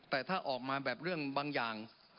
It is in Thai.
แต่ถ้าออกมาแบบเรื่องบางอย่าง